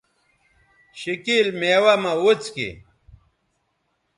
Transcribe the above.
شِکِیل میوہ مہ وڅکیئ